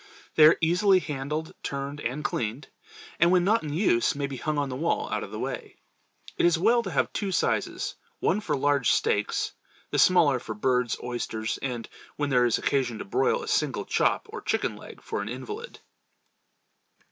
They are easily handled, turned and cleansed, and when not in use may be hung on the wall out of the way. It is well to have two sizes, one for large steaks, the smaller for birds, oysters, and when there is occasion to broil a single chop or chicken leg for an invalid.